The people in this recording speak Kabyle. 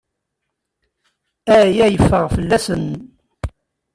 Aya yeffeɣ fell-asen.